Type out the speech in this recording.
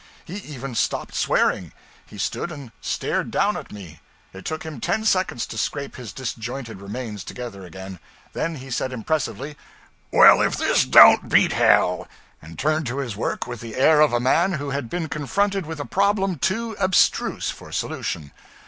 He even stopped swearing. He stood and stared down at me. It took him ten seconds to scrape his disjointed remains together again. Then he said impressively: 'Well, if this don't beat hell!' and turned to his work with the air of a man who had been confronted with a problem too abstruse for solution.